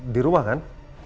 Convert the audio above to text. di rumah kan